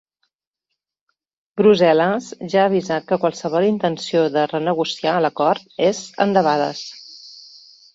Brussel·les ja ha avisat que qualsevol intenció de renegociar l’acord és endebades.